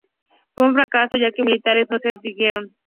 Fue un fracaso ya que los militares no se adhirieron.